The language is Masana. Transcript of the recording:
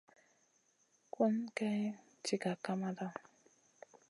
Ku nʼa Kay diga kamada.